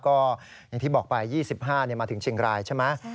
ก็อย่างที่บอกไป๒๕มาถึงเชียงรายใช่ไหม